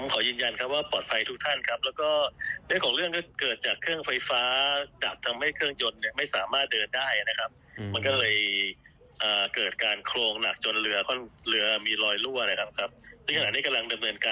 ข้อมูลเพิ่มเติมจากศูนย์วิทยุ๑๙๑สปากน้ำปราณ